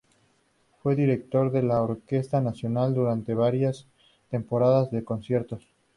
Fue Director de la Orquesta Nacional durante varias temporadas de conciertos.